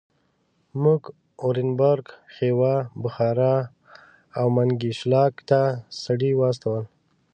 موږ اورینبرګ، خیوا، بخارا او منګیشلاک ته سړي واستول.